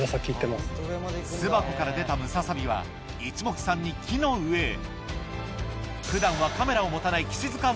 巣箱から出たムササビは一目散に木の上へ普段はカメラを持たない「岸図鑑」